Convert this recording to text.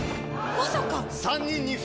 まさか！